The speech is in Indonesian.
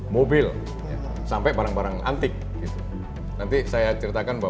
mobil sampai barang barang antik